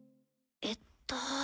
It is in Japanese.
えっと。